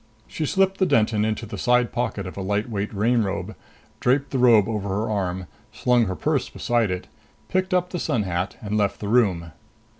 She slipped the Denton into the side pocket of a lightweight rain robe, draped the robe over her arm, slung her purse beside it, picked up the sun hat and left the room.